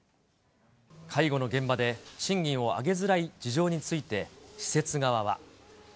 介護の現場で賃金を上げづらい事情について、施設側は。